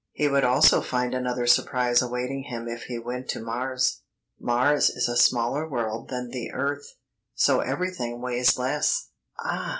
He would also find another surprise awaiting him if he went to Mars. Mars is a smaller world than the earth, so everything weighs less." "Ah!